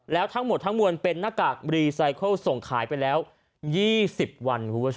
แล้วทั้งหมดทั้งมนเป็นหน้ากากส่งขายไปแล้ว๒๐วัน